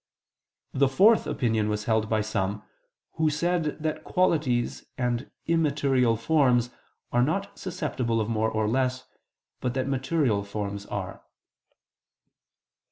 The fourth opinion was held by some who said that qualities and immaterial forms are not susceptible of more or less, but that material forms are.